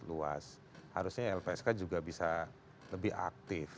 luas harusnya lpsk juga bisa lebih aktif